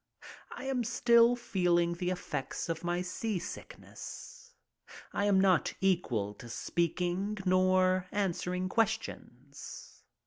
I am still feeling the effects of my seasickness. I am not equal to speaking nor answering questions.